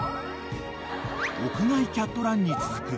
［屋外キャットランに続く